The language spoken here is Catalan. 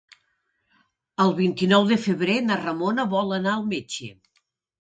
El vint-i-nou de febrer na Ramona vol anar al metge.